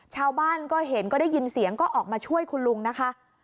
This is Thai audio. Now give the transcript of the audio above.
ชาวบ้านก็เห็นก็ได้ยินเสียงก็ออกมาช่วยคุณลุงนะคะ